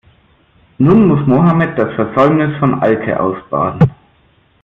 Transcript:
Nun muss Mohammed das Versäumnis von Alke ausbaden.